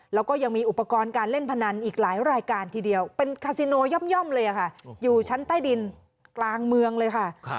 แล้วก็ยังมีอุปกรณ์การเล่นพนันอีกหลายรายการทีเดียวเป็นคาซิโนย่อมเลยค่ะอยู่ชั้นใต้ดินกลางเมืองเลยค่ะ